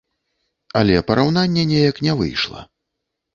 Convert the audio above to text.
Але параўнання неяк не выйшла.